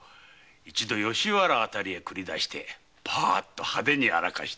一度吉原辺りへ繰り出してパッと派手にやらかしては？